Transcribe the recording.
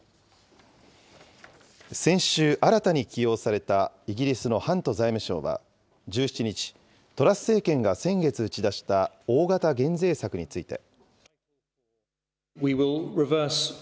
先週、新たに起用されたイギリスのハント財務相は１７日、トラス政権が先月打ち出した大型減税策について。